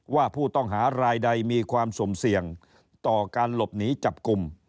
ว่าผู้ต้องหารายใดมีความสุ่มเสี่ยงต่อการหลบหนีจับกลุ่ม